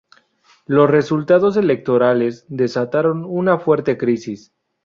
Los resultados electorales desataron una fuerte crisis.